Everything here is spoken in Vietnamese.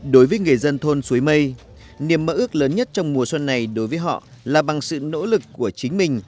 đối với người dân thôn suối mây niềm mơ ước lớn nhất trong mùa xuân này đối với họ là bằng sự nỗ lực của chính mình